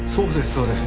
そうです